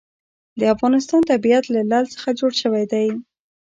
د افغانستان طبیعت له لعل څخه جوړ شوی دی.